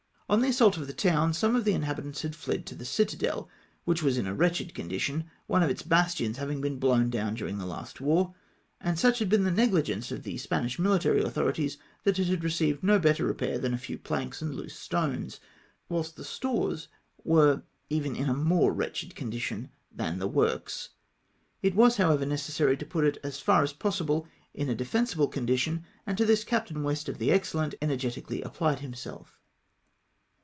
On the assault of the town some of the inhabitants had fled to the citadel, which was in a wretched condi tion, one of its bastions havmg been blown down during the last war ; and such had been the neghgence of the Spanish mihtary authorities, that it had received no better repair than a few planks and loose stones ; whilst the stores were even in a more wretched condi tion than the works. It was, however, necessary to put it, as far as possible, in a defensible condition, and to this Captain West, of the Excellent^ energetically apphed himself.